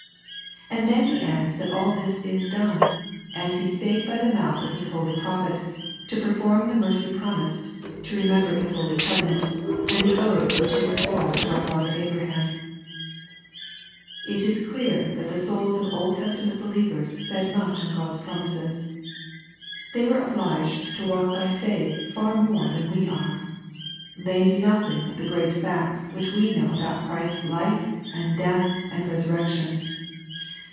And then he adds that all this is done, ^' as He spake by the mouth of His holy prophet, — to perform the mercy promised, — to remember His holy covenant, — and the oath which He sware to our father Abraham/' It is cleat that the souls of Old Testament believers fed much on God's promises. They were obliged to walk by faith far more than we are. They knew nothing of the great facts which we know about Christ's life, and death, and resurrection.